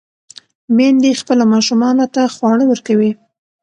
میندې خپلو ماشومانو ته خواړه ورکوي.